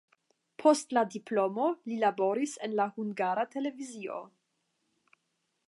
Post la diplomo li laboris en la Hungara Televizio.